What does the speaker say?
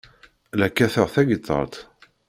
La kkateɣ tagiṭart.